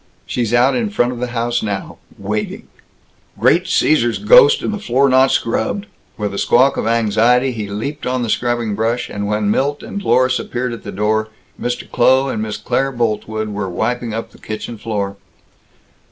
"She's out in front of the house now waiting!" "Great Cæsar's ghost, and the floor not scrubbed!" With a squawk of anxiety he leaped on the scrubbing brush, and when Milt and Dlorus appeared at the door, Mr. Kloh and Miss Claire Boltwood were wiping up the kitchen floor.